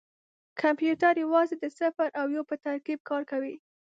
کمپیوټر یوازې د صفر او یو په ترکیب کار کوي.